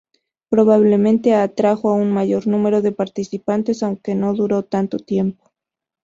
Probablemente atrajo a un mayor número de participantes, aunque no duró tanto tiempo.